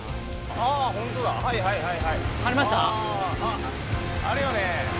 あれよね。